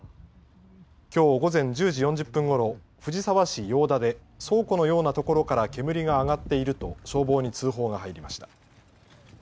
きょう午前１０時４０分ごろ藤沢市用田で倉庫のようなところから煙が上がっていると消防に通報が入りました。